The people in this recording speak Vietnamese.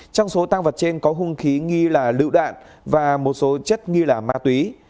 trong số tang vật trên có hung khí nghi là lựu đạn và một số chất nghi là ma túy